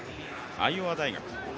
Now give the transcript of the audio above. アイオワ大学。